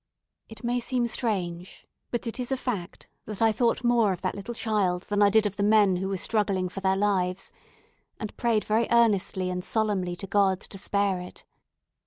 It may seem strange, but it is a fact, that I thought more of that little child than I did of the men who were struggling for their lives, and prayed very earnestly and solemnly to God to spare it.